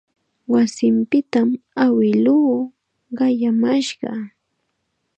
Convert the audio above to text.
Wasinpitam awiluu qayamashqa.